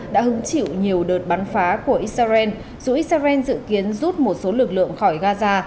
đã hứng chịu nhiều đợt bắn phá của israel dù israel dự kiến rút một số lực lượng khỏi gaza